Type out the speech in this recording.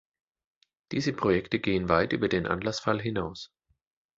Diese Projekte gehen weit über den Anlassfall hinaus.